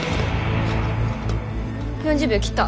４０秒切った。